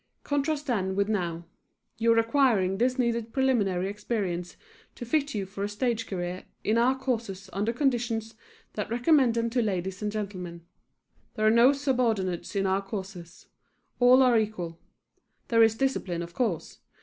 Contrast then with now. You are acquiring this needed preliminary experience to fit you for a stage career in our courses under conditions that recommend them to ladies and gentlemen. There are no subordinates in our courses. All are equal. There is discipline, of course.